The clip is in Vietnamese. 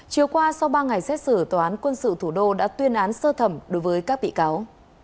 chiều qua sau ba ngày xét xử tòa án quân sự thủ đô đã tuyên án sơ thẩm đối với các bị cáo